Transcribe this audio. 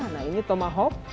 nah ini tomahawk